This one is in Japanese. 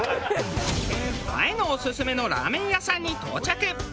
前野オススメのラーメン屋さんに到着。